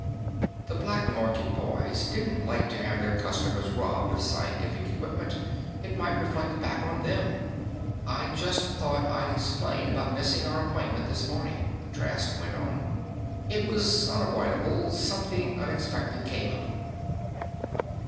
The black market boys didn't like to have their customers robbed of scientific equipment; it might reflect back on them. "I just thought I'd explain about missing our appointment this morning," Trask went on. "It was unavoidable; something unexpected came up."